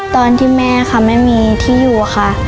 ตอนที่แม่ค่ะไม่มีที่อยู่ค่ะ